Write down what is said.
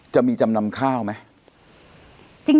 จะมีจำนำข้าวไหม